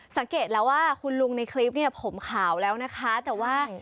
สังเกตแล้วว่าคุณลุงในคลิปเนี่ยผมขาวแล้วนะคะแต่ว่า